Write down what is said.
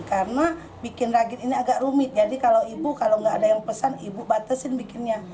karena bikin ragit ini agak rumit jadi kalau ibu kalau nggak ada yang pesan ibu batasin bikinnya